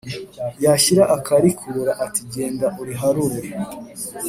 yashyira akarikura ati genda uriharure